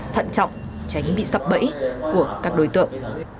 thận trọng tránh bị sập bẫy của các đối tượng